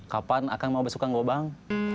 kapan akan mau besukan gobang